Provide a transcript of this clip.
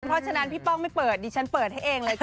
เพราะฉะนั้นพี่ป้องไม่เปิดดิฉันเปิดให้เองเลยค่ะ